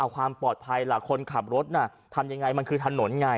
ความปลอดภัยล่ะคนขับรถน่ะทำยังไงมันคือถนนไง